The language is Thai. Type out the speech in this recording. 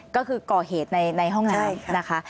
ก็คือก่อเหตุในห้องน้ำนะคะ